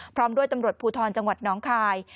พร้อมด้วยตำรวจภูทรจังหวัดน้องคาย